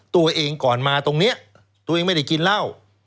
ตัวเองก่อนมาตรงนี้ตัวเองไม่ได้กินเหล้า